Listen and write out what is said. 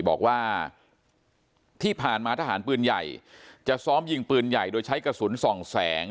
บอกว่าที่ผ่านมาทหารปืนใหญ่จะซ้อมยิงปืนใหญ่โดยใช้กระสุนส่องแสง